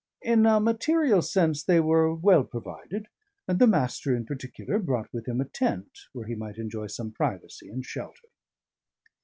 In a material sense, they were well provided; and the Master in particular brought with him a tent where he might enjoy some privacy and shelter.